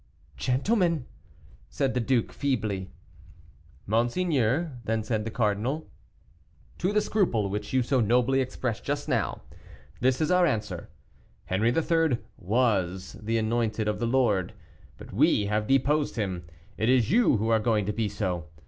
"Gentlemen!" said the duke, feebly. "Monseigneur," then said the cardinal, "to the scruple which you so nobly expressed just now, this is our answer. Henri III. was the anointed of the Lord, but we have deposed him; it is you who are going to be so.